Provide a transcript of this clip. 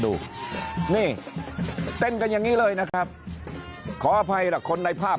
ดูนี่เต้นกันอย่างนี้เลยนะครับขออภัยล่ะคนในภาพ